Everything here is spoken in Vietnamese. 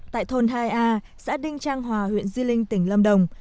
tại thôn hai a xã đinh trang hòa huyện di linh tỉnh lâm đồng